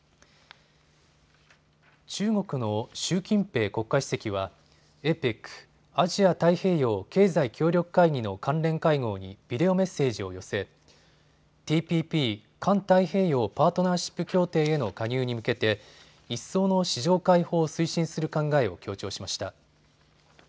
中国の習近平国家主席はＡＰＥＣ・アジア太平洋経済協力会議の関連会合にビデオメッセージを寄せＴＰＰ・環太平洋パートナーシップ協定への加入に向けて一層の市場開放を推進する考えを強調しました。